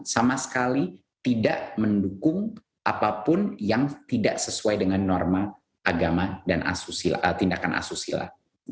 sama sekali tidak mendukung apapun yang tidak sesuai dengan norma agama dan tindakan asusila